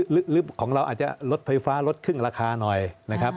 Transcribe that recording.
หรือของเราอาจจะลดไฟฟ้าลดครึ่งราคาหน่อยนะครับ